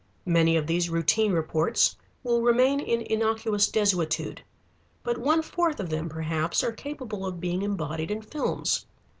Many of these routine reports will remain in innocuous desuetude. But one fourth of them, perhaps, are capable of being embodied in films.